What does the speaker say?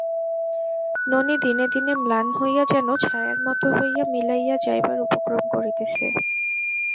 ননি দিনে দিনে ম্লান হইয়া যেন ছায়ার মতো হইয়া মিলাইয়া যাইবার উপক্রম করিতেছে।